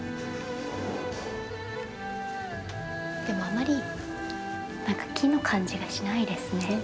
でもあまり木の感じがしないですね。